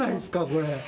これ。